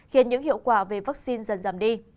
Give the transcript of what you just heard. khiến những hiệu quả về vaccine dần giảm đi